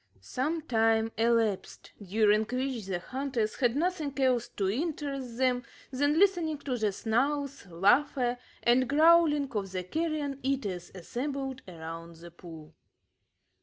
Some time elapsed, during which the hunters had nothing else to interest them than listening to the snarls, laughter, and growling of the carrion eaters assembled around the pool.